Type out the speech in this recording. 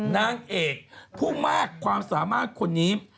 นางเอกผู้มากความสามารถคนนี้